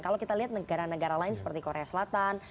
kalau kita lihat negara negara lain seperti korea selatan